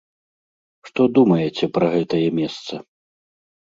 Што думаеце пра гэтае месца?